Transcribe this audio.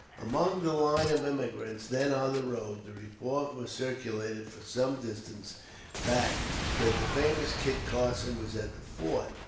Among the line of emigrants then on the road, the report was circulated for some distance back that the famous Kit Carson was at the fort.